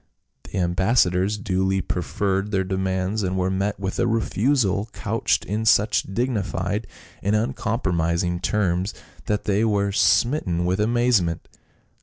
The ambassadors duly preferred their de mands, and were met with a refusal couched in such dignified and uncompromising terms that they were smitten with amazement.